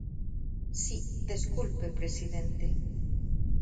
Si, desculpe presidente.